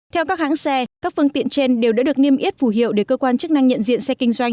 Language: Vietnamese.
theo các hãng xe các phương tiện trên đều đã được niêm yết phù hiệu để cơ quan chức năng nhận diện xe kinh doanh